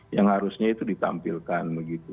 yang harusnya itu ditampilkan